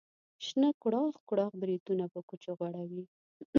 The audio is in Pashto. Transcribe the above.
شنه کوړاخ کوړاخ بریتونه په کوچو غوړوي.